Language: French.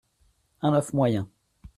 Un œuf moyen.